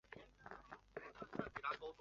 他的计划受到波金卡计划的启发。